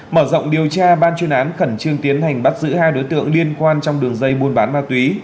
mở rộng điều tra ban chuyên án khẩn trương tiến hành bắt giữ hai đối tượng liên quan trong đường dây buôn bán ma túy